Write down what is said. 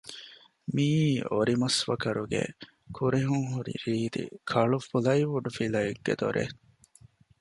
މިއީ އޮރިމަސްވަކަރުގެ ކުރެހުން ހުރި ރީތި ކަޅު ޕުލައިވުޑު ފިލައެއްގެ ދޮރެއް